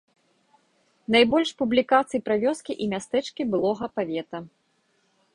Найбольш публікацый пра вёскі і мястэчкі былога павета.